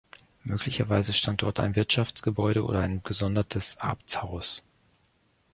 Möglicherweise stand dort ein Wirtschaftsgebäude oder ein gesondertes Abtshaus.